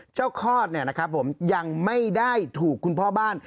เจ้าขอดนะครับผมยังไม่ได้ถูกคุณพ่อบ้าน